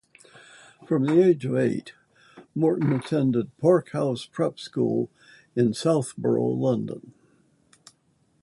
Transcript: From the age of eight Morton attended Park House prep school in Southborough, London.